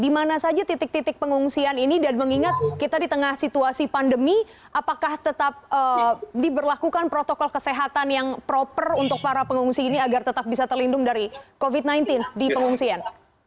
di mana saja titik titik pengungsian ini dan mengingat kita di tengah situasi pandemi apakah tetap diberlakukan protokol kesehatan yang proper untuk para pengungsi ini agar tetap bisa terlindung dari covid sembilan belas di pengungsian